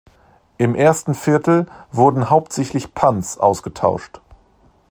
Im ersten Viertel wurden hauptsächlich Punts ausgetauscht.